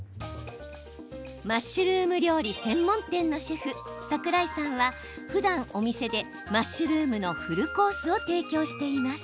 マッシュルーム料理専門店のシェフ、桜井さんはふだん、お店でマッシュルームのフルコースを提供しています。